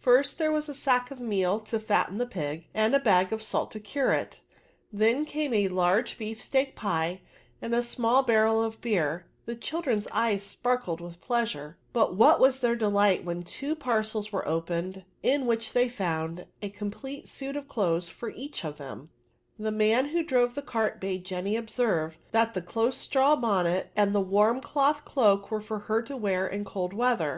First, there was a sack of meal to fatten the pig, and a bag of salt to cure it; then came a large beef steak pie, and a small barrel of beer : the children's eyes sparkled with pleasure ; but what was their delight when two parcels were opened, in which they found a complete suit of clothes for each of them I The man who drove the cart bade Jenny observe, that the close straw^bonnet, and the warm cloth cloak, were for her to wear in cold weather.